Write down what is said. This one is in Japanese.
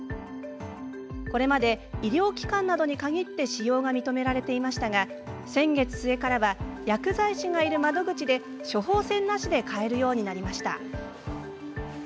これまで医療機関などに限って使用が認められていましたが先月末からは薬剤師がいる窓口で処方箋なしで買えるようになりました。